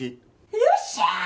よっしゃあ！